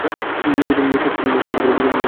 বিশ্বাসই হচ্ছে না!